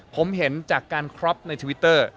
ผมเห็นจากการครอบในทวิตเตอร์